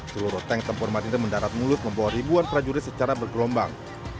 seluruh tank tempur marinir mendarat mulus membawa ribuan prajurit secara bergelombang